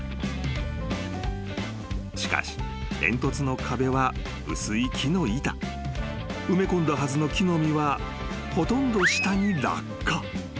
［しかし煙突の壁は薄い木の板］［埋め込んだはずの木の実はほとんど下に落下］